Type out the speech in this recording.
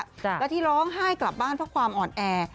แล้วที่ร้องไห้กลับบ้านเพราะความอ่อนแอ